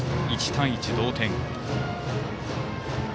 １対１、同点。